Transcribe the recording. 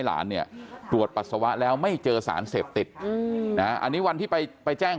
หลานเนี่ยตรวจปัสสาวะแล้วไม่เจอสารเสพติดอันนี้วันที่ไปแจ้ง